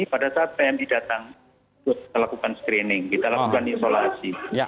pada saat pmi datang kita lakukan screening kita lakukan isolasi